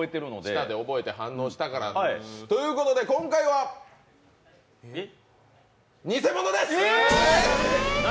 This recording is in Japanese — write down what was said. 舌が覚えて反応したからということで、今回は偽物です！